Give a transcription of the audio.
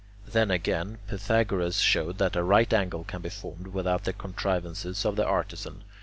Then again, Pythagoras showed that a right angle can be formed without the contrivances of the artisan.